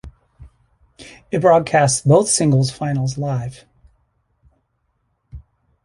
It broadcasts both singles finals live.